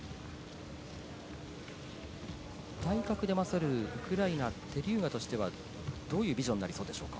体格で勝るウクライナとしてはどういうビジョンになりますでしょうか。